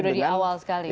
sudah di awal sekali